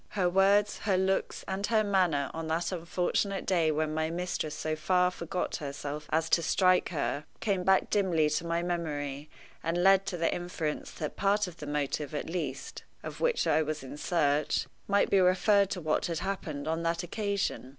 Her words, her looks, and her manner, on that unfortunate day when my mistress so far forget herself as to strike, her, came back dimly to my memory, and led to the inference that part of the motive, at least, of which I was in search, might be referred to what had happened on that occasion.